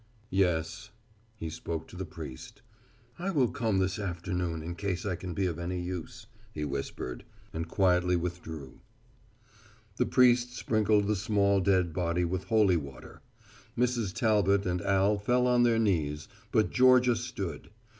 "Yes." He spoke to the priest. "I will come this afternoon, in case I can be of any use," he whispered, and quietly withdrew. The priest sprinkled the small dead body with holy water. Mrs. Talbot and Al fell on their knees, but Georgia stood.